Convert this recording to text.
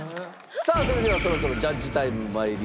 さあそれではそろそろジャッジタイムに参りましょう。